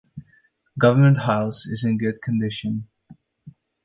Government House is in good condition.